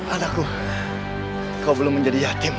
alahku kau belum menjadi yatim gek